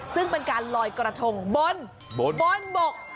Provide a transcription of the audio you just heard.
ซึ่งเป็นการลอยกระทงบนบนบก